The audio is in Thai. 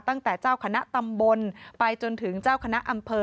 ตั้งแต่เจ้าคณะตำบลไปจนถึงเจ้าคณะอำเภอ